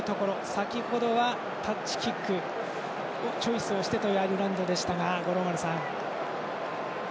先ほどはタッチキックをチョイスをしてというアイルランドでしたが五郎丸さん。